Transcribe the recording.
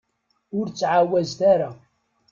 Ur ttɛawazet ara.